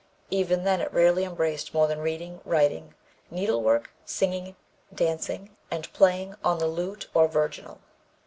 Even then it rarely embraced more than reading, writing, needlework, singing, dancing and playing on the lute or virginal.